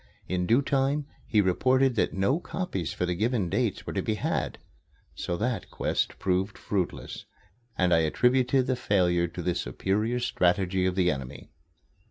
In due time he reported that no copies for the given dates were to be had. So that quest proved fruitless, and I attributed the failure to the superior strategy of the enemy.